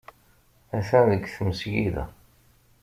Atan deg tmesgida.